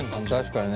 確かにね。